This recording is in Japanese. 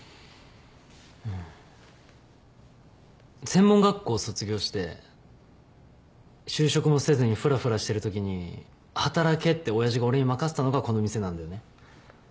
専門学校卒業して就職もせずにふらふらしてるときに働けっておやじが俺に任せたのがこの店なんだよね。